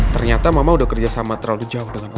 ternyata mama udah kerja sama terlalu jauh dengan om alex